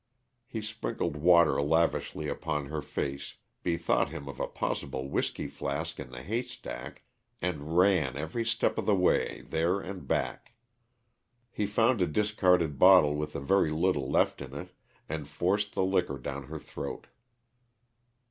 He sprinkled water lavishly upon her face, bethought him of a possible whisky flask in the haystack, and ran every step of the way there and back. He found a discarded bottle with a very little left in it, and forced the liquor down her throat.